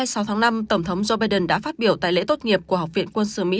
ngày sáu tháng năm tổng thống joe biden đã phát biểu tại lễ tốt nghiệp của học viện quân sự mỹ